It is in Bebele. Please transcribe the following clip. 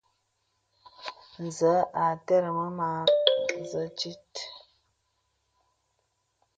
Zə à aterə̀ŋ mə̀zə tìt.